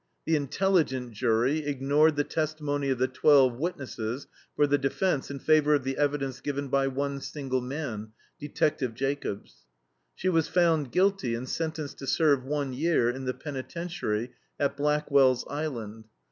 The "intelligent" jury ignored the testimony of the twelve witnesses for the defense in favor of the evidence given by one single man Detective Jacobs. She was found guilty and sentenced to serve one year in the penitentiary at Blackwell's Island.